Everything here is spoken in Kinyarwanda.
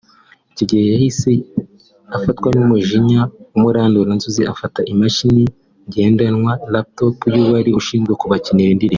Icyo gihe yahise afatwa n’umujinya w’umuranduranzuzi afata imashini igendanwa (lap top) y’uwari ushinzwe kubakinira indirimbo